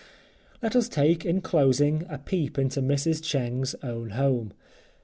Let us take, in closing, a peep into Mrs. Cheng's own home.